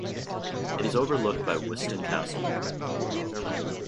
It is overlooked by Wiston Castle.